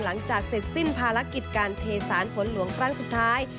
หลังจากเสร็จสิ้นภารกิจการเทสานฝนหลวงครั้งสุดท้าย